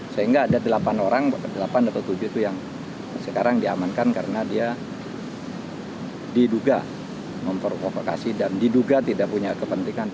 sehingga ada delapan orang delapan atau tujuh itu yang sekarang diamankan karena dia diduga memprovokasi dan diduga tidak punya kepentingan